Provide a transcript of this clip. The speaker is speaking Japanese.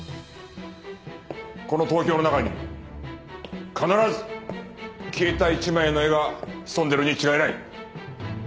この東京の中に必ず消えた一枚の絵が潜んでいるに違いない。